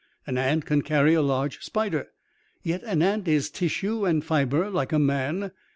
An ant can carry a large spider yet an ant is tissue and fiber, like a man.